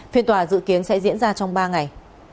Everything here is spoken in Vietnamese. phiên tòa dự kiến sẽ diễn ra trong ba ngày